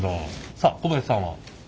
さあ小林さんは？